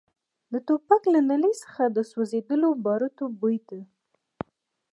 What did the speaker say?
د ټوپک له نلۍ څخه د سوځېدلو باروتو بوی ته.